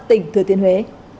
tỉnh thừa tiên huế